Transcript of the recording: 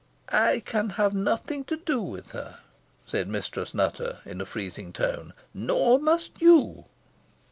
"I can have nothing to do with her," said Mistress Nutter, in a freezing tone "nor must you."